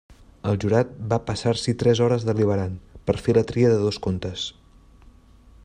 El jurat va passar-s'hi tres hores deliberant per fer la tria de dos contes.